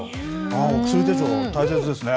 お薬手帳、大切ですね。